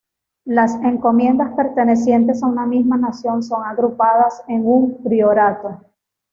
Las Encomiendas pertenecientes a una misma nación son agrupadas en un Priorato.